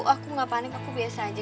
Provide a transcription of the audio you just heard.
aku nggak panik aku biasa aja